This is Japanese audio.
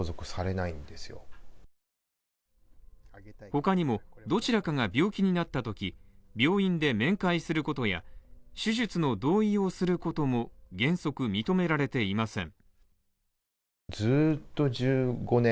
他にも、どちらかが病気になったとき、病院で面会することや、手術の同意をすることも原則認められていません。